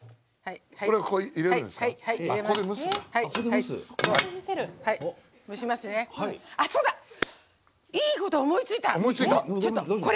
いいこと思いついた！